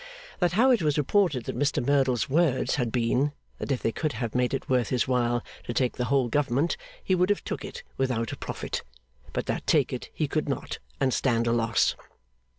That how it was reported that Mr Merdle's words had been, that if they could have made it worth his while to take the whole Government he would have took it without a profit, but that take it he could not and stand a loss.